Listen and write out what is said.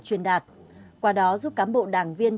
truyền đạt qua đó giúp cám bộ đảng viên